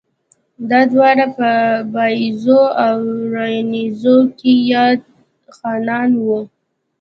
دا دواړه پۀ بائيزو او راڼېزو کښې ياد خانان وو